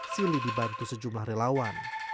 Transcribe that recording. silly dibantu sejumlah relawan